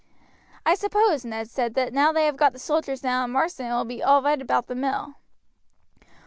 "I suppose," Ned said, "that now they have got the soldiers down in Marsden it will be all right about the mill."